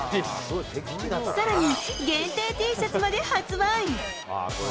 さらに、限定Ｔシャツまで発売。